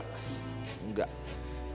publik sangat percaya kpu